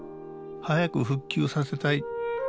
早く復旧させたい。